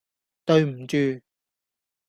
對唔住